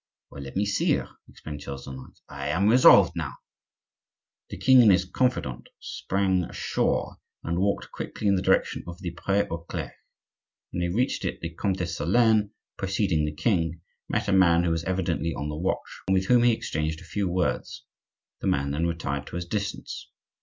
"Well, let her see me!" exclaimed Charles IX. "I am resolved now!" The king and his confidant sprang ashore and walked quickly in the direction of the Pre aux Clercs. When they reached it the Comte de Solern, preceding the king, met a man who was evidently on the watch, and with whom he exchanged a few words; the man then retired to a distance.